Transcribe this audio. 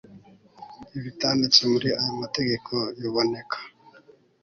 Ibitanditse muri aya mategeko biboneka